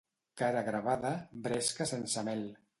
Cara gravada, bresca sense mel.